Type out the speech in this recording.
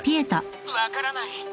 分からない。